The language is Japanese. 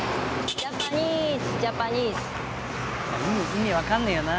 意味分かんねえよな